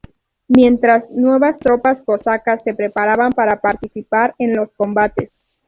Mientras, nuevas tropas cosacas se preparaban para participar en los combates.